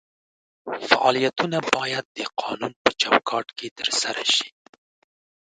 فعالیتونه باید د قانون په چوکاټ کې ترسره شي.